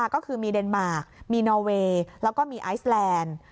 ก็คือมีเดนมาร์คมีนอเวย์แล้วก็มีไอซแลนด์